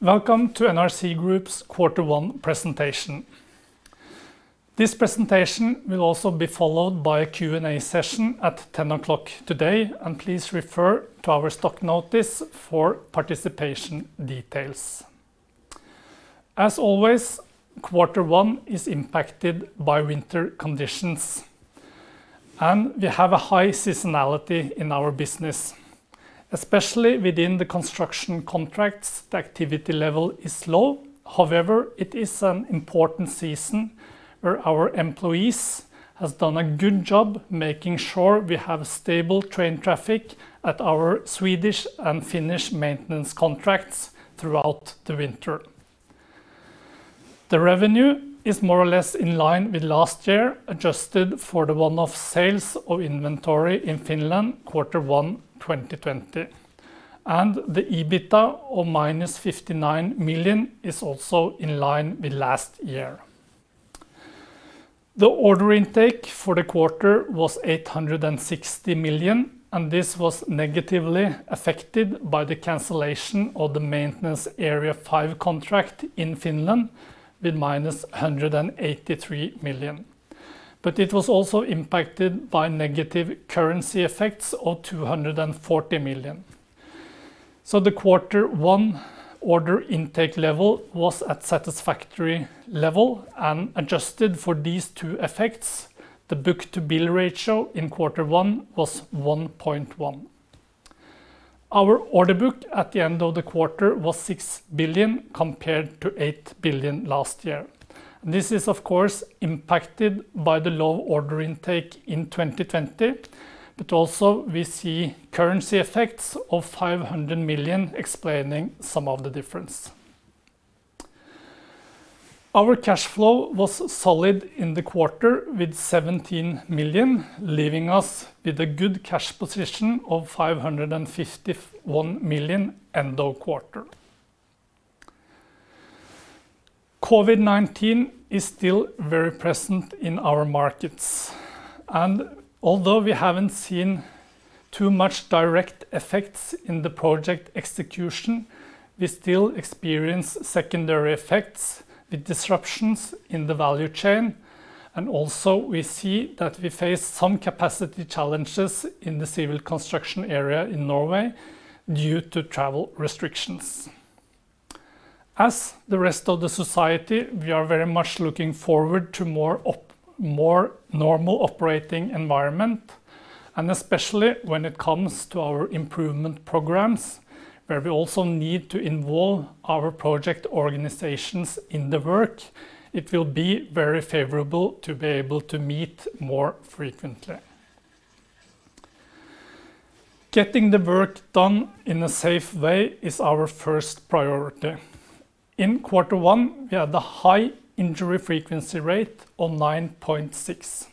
Welcome to NRC Group's Quarter One presentation. This presentation will also be followed by a Q&A session at 10:00 A.M. today. Please refer to our stock notice for participation details. As always, quarter one is impacted by winter conditions. We have a high seasonality in our business. Especially within the construction contracts, the activity level is low. However, it is an important season where our employees has done a good job making sure we have stable train traffic at our Swedish and Finnish maintenance contracts throughout the winter. The revenue is more or less in line with last year, adjusted for the one-off sales of inventory in Finland, Quarter one, 2020. The EBITDA of -59 million is also in line with last year. The order intake for the quarter was 860 million. This was negatively affected by the cancellation of the Maintenance Area 5 contract in Finland with -183 million. It was also impacted by negative currency effects of 240 million. The Q1 order intake level was at satisfactory level and adjusted for these two effects. The book-to-bill ratio in Q1 was 1.1. Our order book at the end of the quarter was 6 billion compared to 8 billion last year. This is, of course, impacted by the low order intake in 2020. Also, we see currency effects of 500 million explaining some of the difference. Our cash flow was solid in the quarter with 17 million, leaving us with a good cash position of 551 million end of quarter. COVID-19 is still very present in our markets. Although we haven't seen too much direct effects in the project execution, we still experience secondary effects with disruptions in the value chain. Also, we see that we face some capacity challenges in the civil construction area in Norway due to travel restrictions. As the rest of the society, we are very much looking forward to more normal operating environment, and especially when it comes to our improvement programs, where we also need to involve our project organizations in the work. It will be very favorable to be able to meet more frequently. Getting the work done in a safe way is our first priority. In Quarter One, we had a high injury frequency rate of 9.6.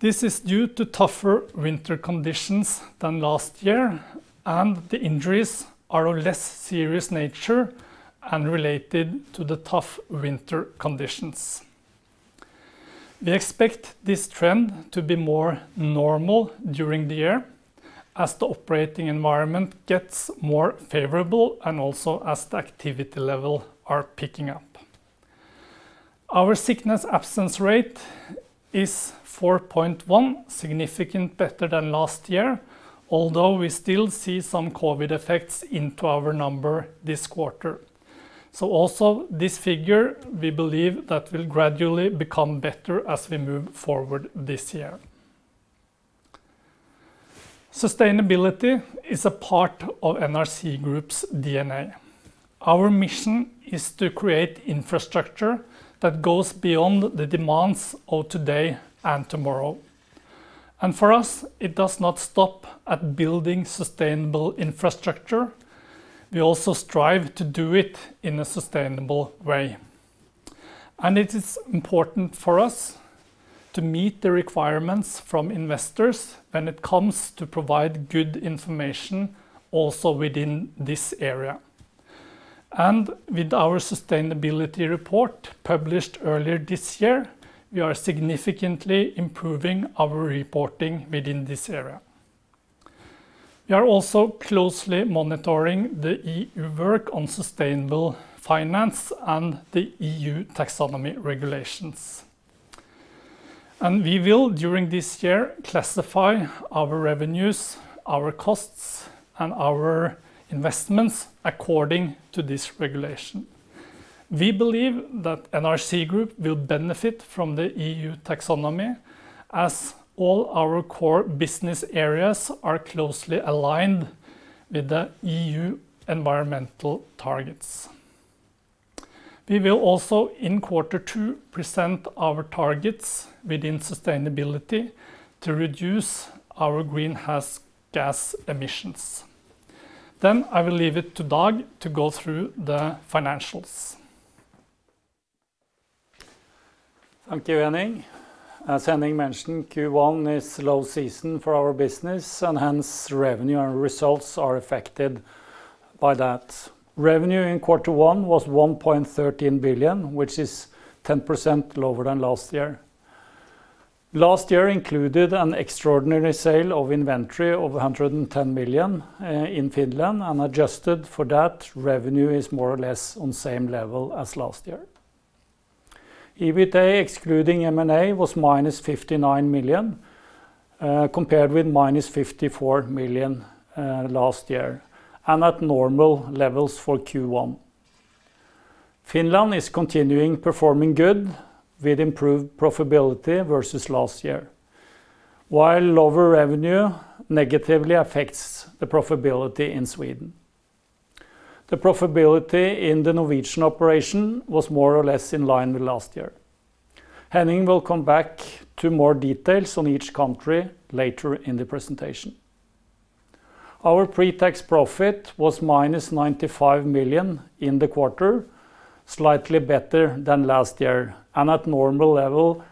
This is due to tougher winter conditions than last year, and the injuries are of less serious nature and related to the tough winter conditions. We expect this trend to be more normal during the year as the operating environment gets more favorable and also as the activity level are picking up. Our sickness absence rate is 4.1%, significant better than last year. Although we still see some COVID-19 effects into our number this quarter. Also this figure we believe that will gradually become better as we move forward this year. Sustainability is a part of NRC Group's DNA. Our mission is to create infrastructure that goes beyond the demands of today and tomorrow. For us, it does not stop at building sustainable infrastructure. We also strive to do it in a sustainable way. It is important for us to meet the requirements from investors when it comes to provide good information also within this area. With our sustainability report published earlier this year, we are significantly improving our reporting within this area. We are also closely monitoring the EU work on sustainable finance and the EU Taxonomy regulations. We will, during this year, classify our revenues, our costs, and our investments according to this regulation. We believe that NRC Group will benefit from the EU Taxonomy as all our core business areas are closely aligned with the EU environmental targets. We will also, in Quarter two, present our targets within sustainability to reduce our greenhouse gas emissions. I will leave it to Dag to go through the financials. Thank you, Henning. As Henning mentioned, Q1 is low season for our business, and hence revenue and results are affected by that. Revenue in Quarter one was 1.13 billion, which is 10% lower than last year. Last year included an extraordinary sale of inventory of 110 million in Finland, and adjusted for that, revenue is more or less on same level as last year. EBITA, excluding M&A, was -59 million, compared with -54 million last year and at normal levels for Q1. Finland is continuing performing good with improved profitability versus last year, while lower revenue negatively affects the profitability in Sweden. The profitability in the Norwegian operation was more or less in line with last year. Henning will come back to more details on each country later in the presentation. Our pre-tax profit was -95 million in the quarter, slightly better than last year and at normal level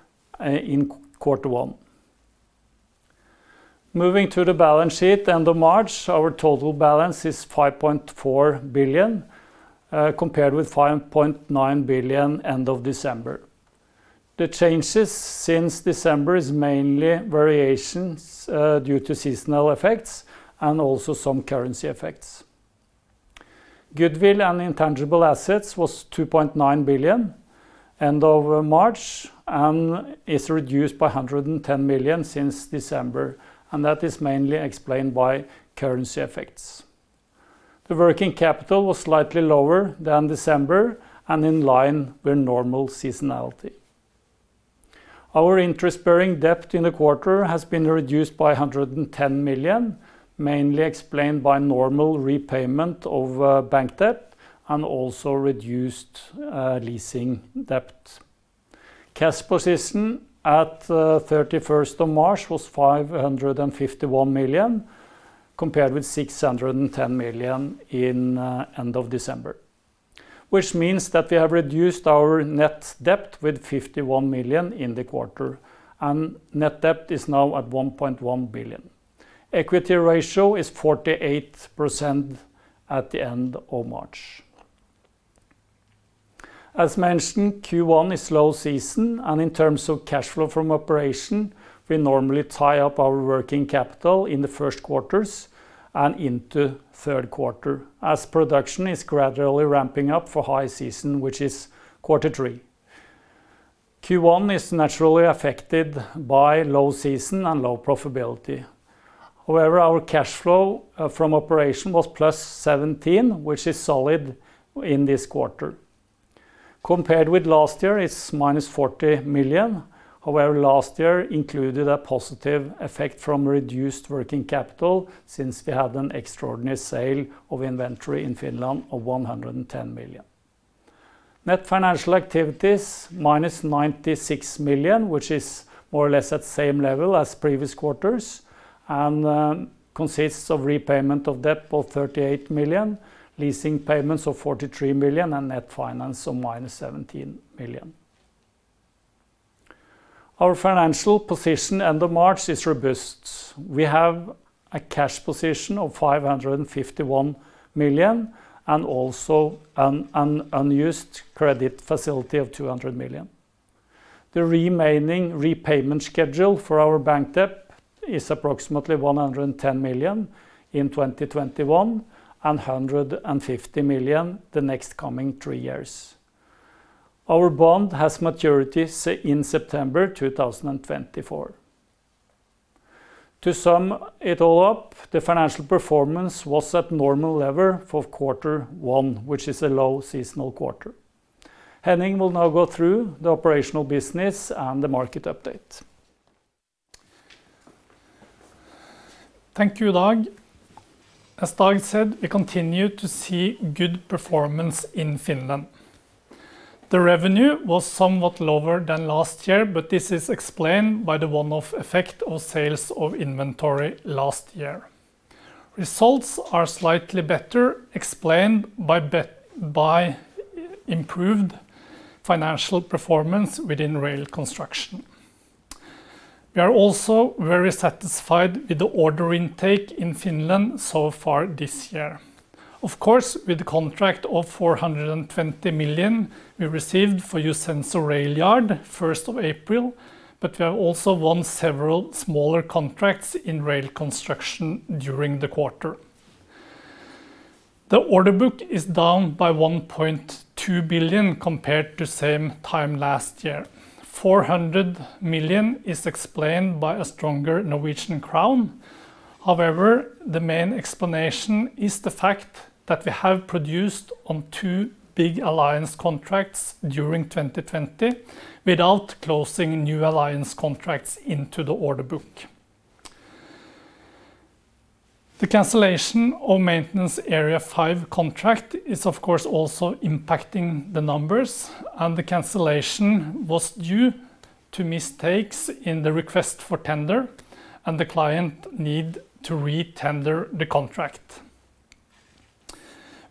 in Q1. Moving to the balance sheet end of March, our total balance is 5.4 billion, compared with 5.9 billion end of December. The changes since December is mainly variations due to seasonal effects and also some currency effects. Goodwill and intangible assets was 2.9 billion end of March and is reduced by 110 million since December, and that is mainly explained by currency effects. The working capital was slightly lower than December and in line with normal seasonality. Our interest-bearing debt in the quarter has been reduced by 110 million, mainly explained by normal repayment of bank debt and also reduced leasing debt. Cash position at 31st of March was 551 million, compared with 610 million in end of December, which means that we have reduced our net debt with 51 million in the quarter and net debt is now at 1.1 billion. equity ratio is 48% at the end of March. As mentioned, Q1 is slow season, and in terms of cash flow from operation, we normally tie up our working capital in the first quarters and into Q3, as production is gradually ramping up for high season, which is Q3. Q1 is naturally affected by low season and low profitability. However, our cash flow from operation was +17 million, which is solid in this quarter. Compared with last year, it's -40 million. However, last year included a positive effect from reduced working capital since we had an extraordinary sale of inventory in Finland of 110 million. Net financial activities, -96 million, which is more or less at same level as previous quarters and consists of repayment of debt of 38 million, leasing payments of 43 million, and net finance of -17 million. Our financial position end of March is robust. We have a cash position of 551 million and also an unused credit facility of 200 million. The remaining repayment schedule for our bank debt is approximately 110 million in 2021 and 150 million the next coming three years. Our bond has maturities in September 2024. To sum it all up, the financial performance was at normal level for quarter one, which is a low seasonal quarter. Henning will now go through the operational business and the market update. Thank you, Dag. As Dag said, we continue to see good performance in Finland. The revenue was somewhat lower than last year. This is explained by the one-off effect of sales of inventory last year. Results are slightly better explained by improved financial performance within rail construction. We are also very satisfied with the order intake in Finland so far this year. Of course, with the contract of 420 million we received for Joensuu rail yard April 1st. We have also won several smaller contracts in rail construction during the quarter. The order book is down by 1.2 billion compared to same time last year. 400 million is explained by a stronger Norwegian crown. However, the main explanation is the fact that we have produced on two big alliance contracts during 2020 without closing new alliance contracts into the order book. The cancellation of Maintenance Area 5 contract is, of course, also impacting the numbers, and the cancellation was due to mistakes in the request for tender and the client need to re-tender the contract.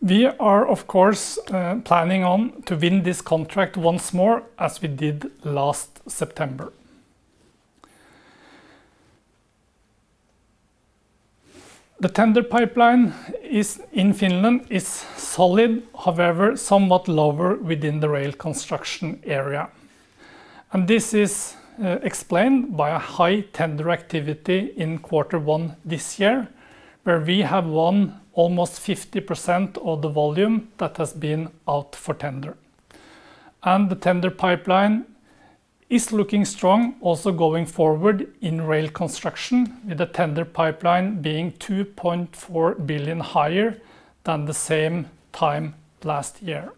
We are, of course, planning on to win this contract once more, as we did last September. The tender pipeline in Finland is solid, however, somewhat lower within the rail construction area. This is explained by a high tender activity in quarter one this year, where we have won almost 50% of the volume that has been out for tender. The tender pipeline is looking strong also going forward in rail construction with the tender pipeline being 2.4 billion higher than the same time last year.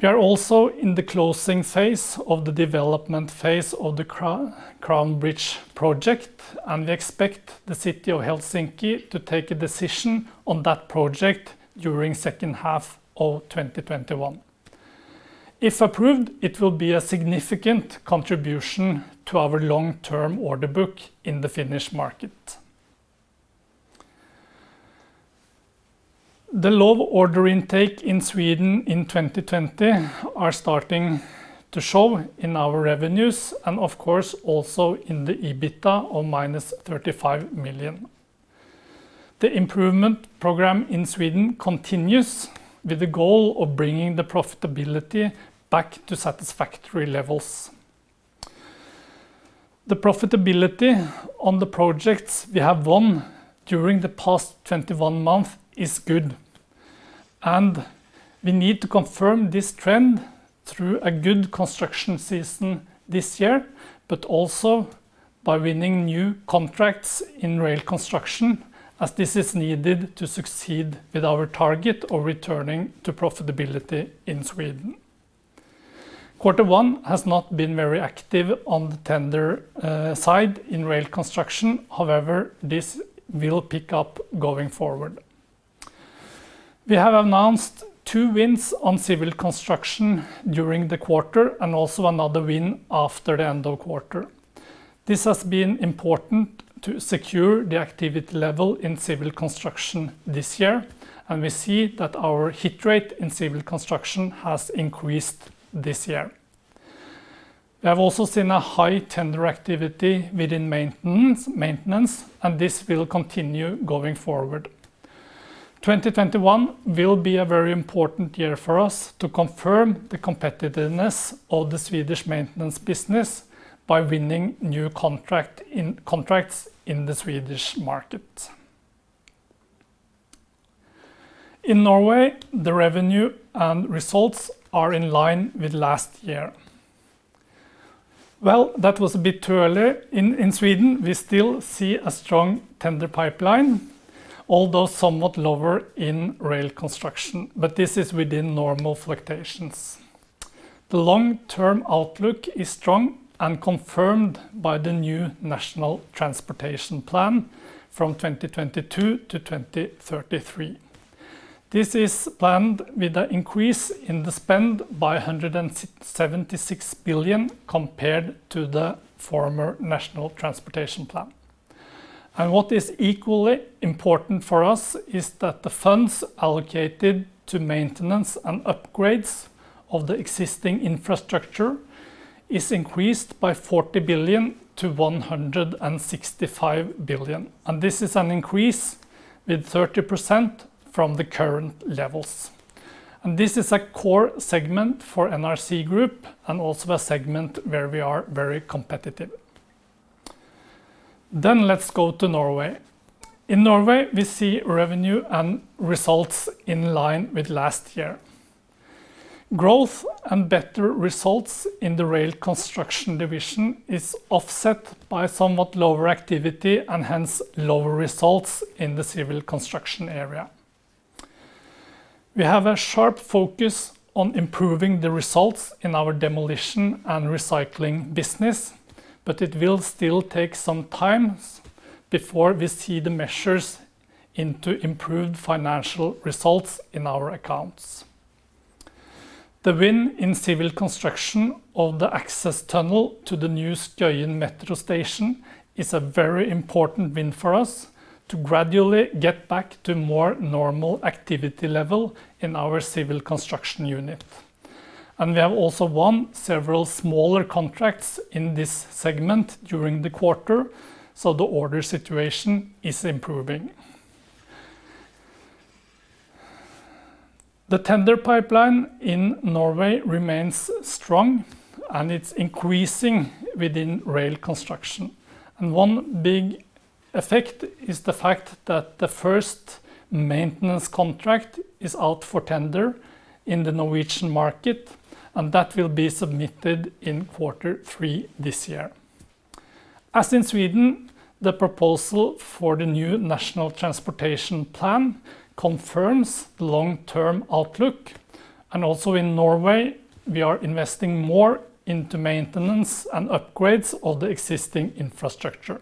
We are also in the closing phase of the development phase of the Crown Bridges project, and we expect the city of Helsinki to take a decision on that project during second half of 2021. If approved, it will be a significant contribution to our long-term order book in the Finnish market. The low order intake in Sweden in 2020 are starting to show in our revenues and, of course, also in the EBITDA of minus 35 million. The improvement program in Sweden continues with the goal of bringing the profitability back to satisfactory levels. The profitability on the projects we have won during the past 21 months is good, and we need to confirm this trend through a good construction season this year, but also by winning new contracts in rail construction as this is needed to succeed with our target of returning to profitability in Sweden. Q1 has not been very active on the tender side in rail construction. However, this will pick up going forward. We have announced two wins on civil construction during the quarter and also another win after the end of quarter. This has been important to secure the activity level in civil construction this year, and we see that our hit rate in civil construction has increased this year. We have also seen a high tender activity within maintenance, and this will continue going forward. 2021 will be a very important year for us to confirm the competitiveness of the Swedish maintenance business by winning new contracts in the Swedish market. In Norway, the revenue and results are in line with last year. Well, that was a bit too early. In Sweden, we still see a strong tender pipeline, although somewhat lower in rail construction, but this is within normal fluctuations. The long-term outlook is strong and confirmed by the new National Transportation Plan from 2022-2033. This is planned with an increase in the spend by 176 billion compared to the former National Transportation Plan. What is equally important for us is that the funds allocated to maintenance and upgrades of the existing infrastructure is increased by 40 billion-165 billion. This is an increase with 30% from the current levels. This is a core segment for NRC Group and also a segment where we are very competitive. Let's go to Norway. In Norway, we see revenue and results in line with last year. Growth and better results in the rail construction division is offset by somewhat lower activity and hence lower results in the civil construction area. We have a sharp focus on improving the results in our demolition and recycling business. It will still take some time before we see the measures into improved financial results in our accounts. The win in civil construction of the access tunnel to the new Skøyen Metro Station is a very important win for us to gradually get back to more normal activity level in our civil construction unit. We have also won several smaller contracts in this segment during the quarter, so the order situation is improving. The tender pipeline in Norway remains strong. It's increasing within rail construction. One big effect is the fact that the first maintenance contract is out for tender in the Norwegian market, and that will be submitted in quarter three this year. As in Sweden, the proposal for the new National Transportation Plan confirms the long-term outlook. Also in Norway, we are investing more into maintenance and upgrades of the existing infrastructure.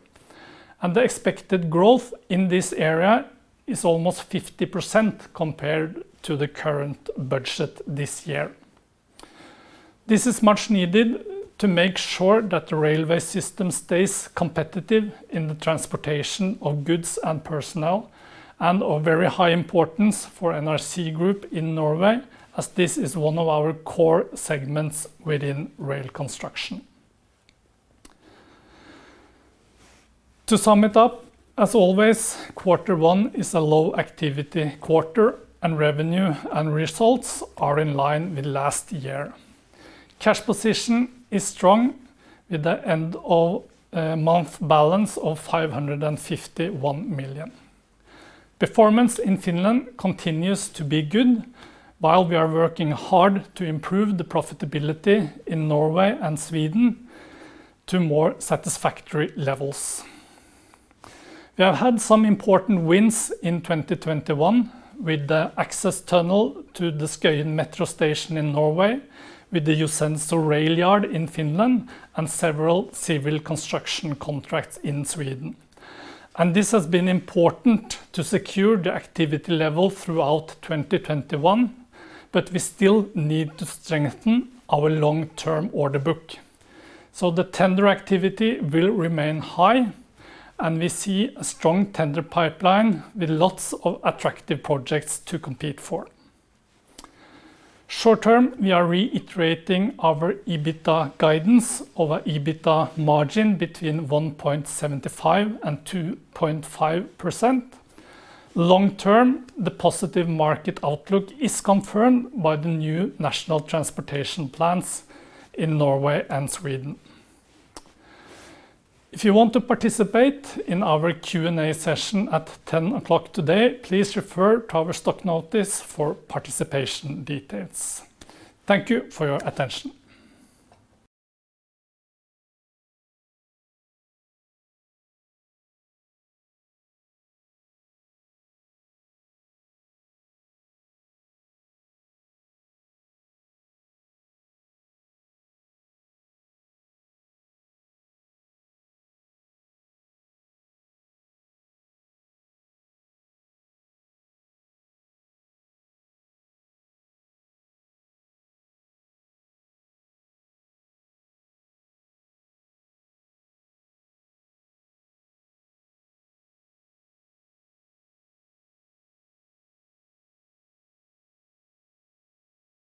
The expected growth in this area is almost 50% compared to the current budget this year. This is much needed to make sure that the railway system stays competitive in the transportation of goods and personnel and of very high importance for NRC Group in Norway, as this is one of our core segments within rail construction. To sum it up, as always, quarter one is a low activity quarter and revenue and results are in line with last year. Cash position is strong with the end of month balance of 551 million. Performance in Finland continues to be good, while we are working hard to improve the profitability in Norway and Sweden to more satisfactory levels. We have had some important wins in 2021 with the access tunnel to the Skøyen Metro station in Norway, with the Jousenoja rail yard in Finland and several civil construction contracts in Sweden. This has been important to secure the activity level throughout 2021, but we still need to strengthen our long-term order book. The tender activity will remain high and we see a strong tender pipeline with lots of attractive projects to compete for. Short-term, we are reiterating our EBITDA guidance of a EBITDA margin between 1.75% and 2.5%. Long-term, the positive market outlook is confirmed by the new National Transportation Plans in Norway and Sweden. If you want to participate in our Q&A session at 10:00 A.M. today, please refer to our stock notice for participation details. Thank you for your attention.